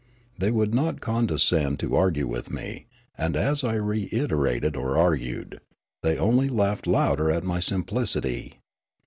They would not condescend to argue with me, and as I reiterated or argued, they only laughed louder at my simplicity.